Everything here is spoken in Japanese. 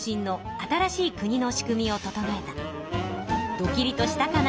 ドキリとしたかな？